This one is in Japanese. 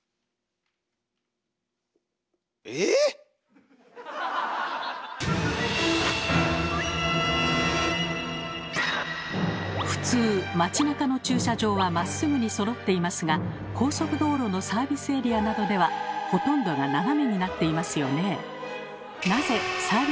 えぇ⁉普通街なかの駐車場はまっすぐにそろっていますが高速道路のサービスエリアなどではほとんどが斜めになっていますよね。